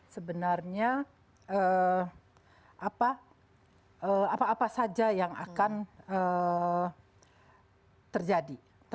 sebenarnya apa apa saja yang akan terjadi